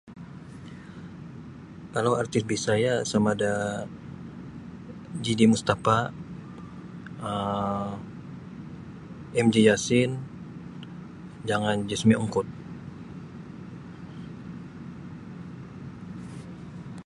Kalau artis bisaya sama da Jideh Mustapa um MJ Yassin jangan Jismi Ongkod.